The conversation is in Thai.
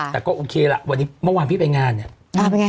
แต่ก็โอเคละวันนี้เมื่อวานพี่ไปงานเนี่ย